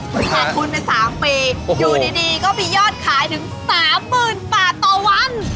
ขาดทุนไป๓ปีอยู่ดีก็มียอดขายถึง๓๐๐๐บาทต่อวัน